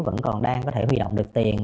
vẫn còn đang có thể huy động được tiền